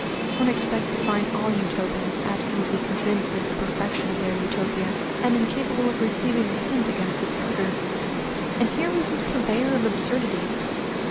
One expects to find all Utopians absolutely convinced of the perfection of their Utopia, and incapable of receiving a hint against its order. And here was this purveyor of absurdities!